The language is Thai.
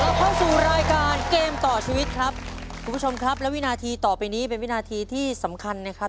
เข้าสู่รายการเกมต่อชีวิตครับคุณผู้ชมครับและวินาทีต่อไปนี้เป็นวินาทีที่สำคัญนะครับ